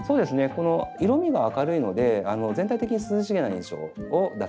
この色みが明るいので全体的に涼しげな印象を出せると思います。